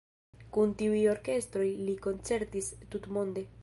Kun tiuj orkestroj li koncertis tutmonde.